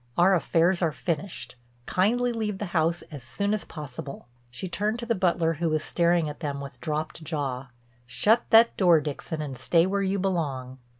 Our affairs are finished. Kindly leave the house as soon as possible." She turned to the butler who was staring at them with dropped jaw: "Shut that door, Dixon, and stay where you belong."